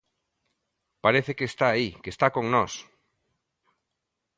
Parece que está aí, que está con nós.